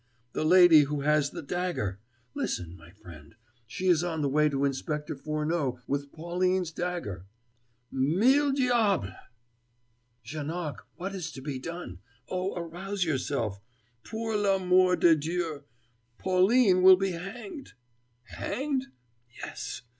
"The lady who has the dagger! Listen, my friend she is on the way to Inspector Furneaux with Pauline's dagger " "Mille diables!" "Janoc, what is to be done? O, arouse yourself, pour l'amour de Dieu Pauline will be hanged " "Hanged? Yes!